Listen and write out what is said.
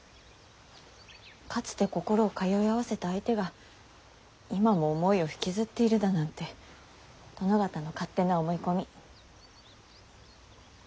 かつて心を通い合わせた相手が今も思いを引きずっているだなんて殿方の勝手な思い込み。